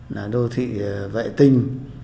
là đô thị vệ tinh